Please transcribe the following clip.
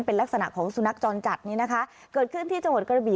เป็นลักษณะของสุนัขจรจัดนี่นะคะเกิดขึ้นที่จังหวัดกระบี่